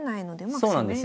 そうなんですよ。